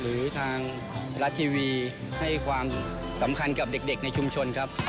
หรือทางไทยรัฐทีวีให้ความสำคัญกับเด็กในชุมชนครับ